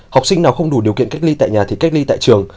học sinh nào không đủ điều kiện cách ly tại nhà thì cách ly tại trường